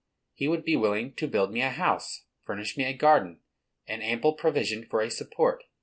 He would be willing to build me a house, furnish me a garden, and ample provision for a support.